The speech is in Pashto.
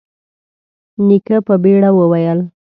نيکه په بيړه وويل: